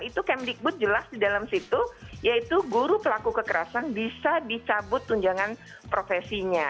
itu kemdikbud jelas di dalam situ yaitu guru pelaku kekerasan bisa dicabut tunjangan profesinya